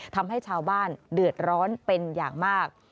ทำให้ชาวบ้านเดือดร้อนเป็นอย่างมาก